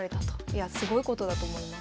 いやすごいことだと思います。